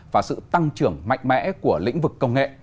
và phát triển mạnh mẽ của lĩnh vực công nghệ